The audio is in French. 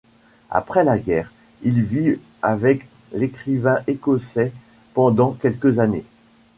Après la guerre, il vit avec l'écrivain écossais pendant quelques années.